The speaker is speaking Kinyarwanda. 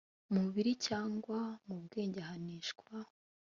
mubiri cyangwa mu bwenge ahanishwa